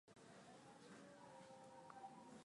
aa nchi ambayo imenyanyazwa imakandamizwa